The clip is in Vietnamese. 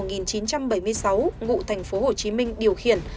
ngụ thành phố hồ chí minh điều khiển